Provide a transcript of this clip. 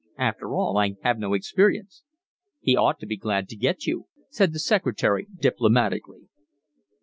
After all I have no experience." "He ought to be glad to get you," said the secretary diplomatically.